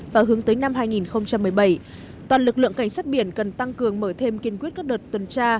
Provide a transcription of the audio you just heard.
và hướng tới năm hai nghìn một mươi bảy toàn lực lượng cảnh sát biển cần tăng cường mở thêm kiên quyết các đợt tuần tra